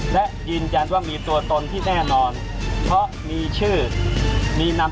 และยืนยันว่ามีตัวตนที่แน่นอนเพราะมีชื่อมีนำ